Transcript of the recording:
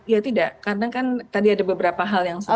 ya tidak karena kan tadi ada beberapa hal yang sama